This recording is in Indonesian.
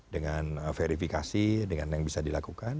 dengan verifikasi dengan yang bisa dilakukan